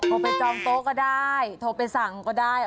ไปจองโต๊ะก็ได้โทรไปสั่งก็ได้